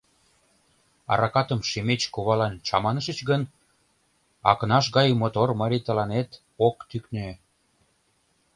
Аракатым Шемеч кувалан чаманышыч гын, Акнаш гай мотор марий тыланет ок тӱкнӧ.